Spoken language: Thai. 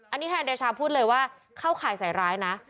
อันนี้ทนายเดชาพูดเลยว่าเข้าข่ายใส่ร้ายนะ